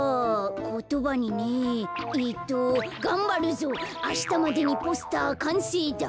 えっと「がんばるぞあしたまでにポスターかんせいだ」。